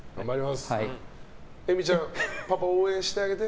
咲ちゃん、パパ応援してあげて。